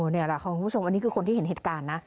นี่แหละค่ะคุณผู้ชมอันนี้คือคนที่เห็นเหตุการณ์นะ